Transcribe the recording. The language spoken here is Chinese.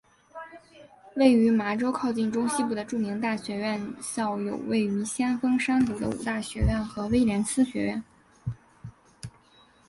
位于麻州靠近中西部的著名大学院校有位于先锋山谷的五大学院和威廉斯学院。